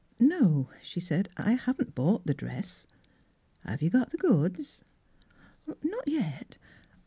" No," she said, " I haven't bought the dress." " Have you got the goods? "" Not yet.